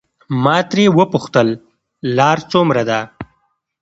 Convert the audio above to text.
ما ترې وپوښتل لار څومره ده.